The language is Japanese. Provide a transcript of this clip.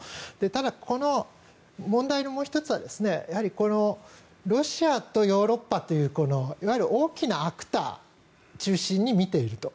ただ、この問題のもう１つはロシアとヨーロッパというこの、いわゆる大きなアクター中心に見ていると。